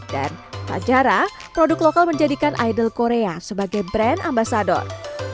dan pajara produk lokal menjadikan idol korea sebagai brand ambasador